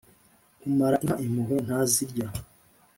umara inka impuhwe ntazirya